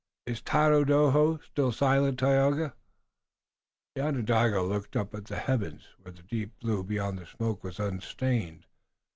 Is Tododaho still silent, Tayoga?" The Onondaga looked up at the heavens, where the deep blue, beyond the smoke, was unstained.